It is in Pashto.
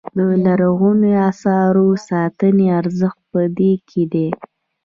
د لرغونو اثارو ساتنې ارزښت په دې کې دی.